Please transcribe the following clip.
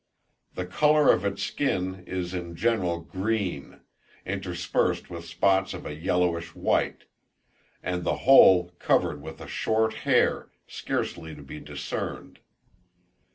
The colour of its skin is in general green, interspersed with spots of a yellowish white; and the whole covered with a short hair scarcely to be discerned.